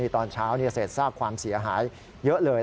ตอนเช้าเศษซากความเสียหายเยอะเลย